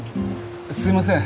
すいません。